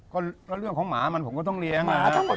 แบบให้คอยเรื่องของหมาทองหรว่าผมก็ต้องเฉียงล่ะ